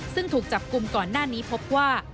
ซึ่งถูกจับกลุ่มก่อนหน้านี้พบว่า